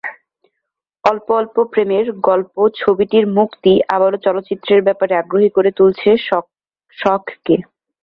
অল্প অল্প প্রেমের গল্প ছবিটির মুক্তি আবারও চলচ্চিত্রের ব্যাপারে আগ্রহী করে তুলেছে শখকে।